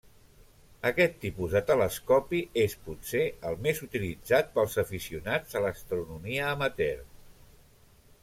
Aquest tipus de telescopi és potser el més utilitzat pels aficionats a l'astronomia amateur.